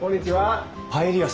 パエリア